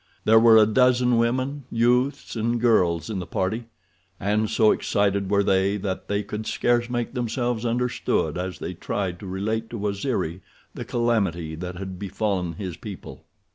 There were a dozen women, youths, and girls in the party, and so excited were they that they could scarce make themselves understood as they tried to relate to Waziri the calamity that had befallen his people.